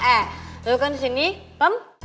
eh lo kan sini pem